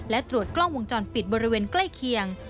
และตรวจกล้องวงจรปิดบริเวณใกล้เคียง